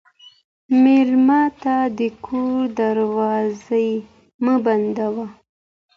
مېلمه ته د کور دروازې مه بندوه.